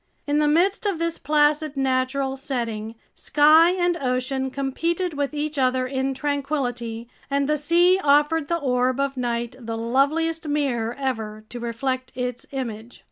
In the midst of this placid natural setting, sky and ocean competed with each other in tranquility, and the sea offered the orb of night the loveliest mirror ever to reflect its image.